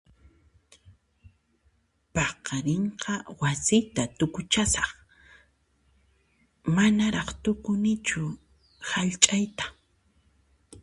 Paqarinqa wasita tukuchasaq, manaraq tukunichu hallch'ayta.